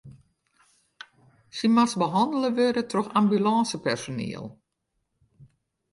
Sy moast behannele wurde troch ambulânsepersoniel.